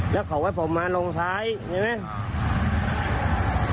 แล้วเขาให้ผมมาลงซ้ายใช่ไหม